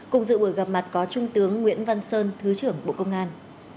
cùng dự buổi gặp mặt có trung tướng nguyễn văn sơn thứ trưởng bộ công an